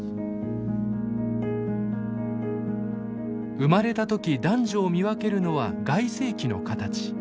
生まれた時男女を見分けるのは外性器の形。